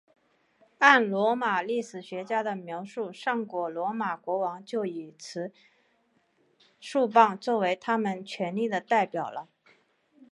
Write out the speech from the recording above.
按罗马历史学家的描述上古罗马国王就已经持束棒作为他们权力的代表了。